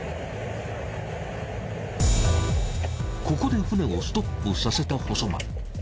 ここで船をストップさせた細間。